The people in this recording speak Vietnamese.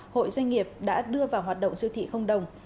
hội doanh nghiệp đã đưa vào hoạt động siêu thị không đồng